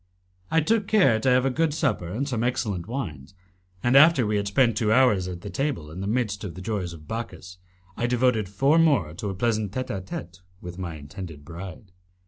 I took care to have a good supper and some excellent wines, and after we had spent two hours at table in the midst of the joys of Bacchus, I devoted four more to a pleasant tete a tete with my intended bride.